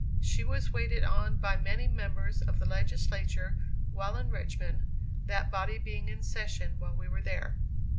She was waited on by many members of the Legislature while in Richmond, that body being in session while we were there.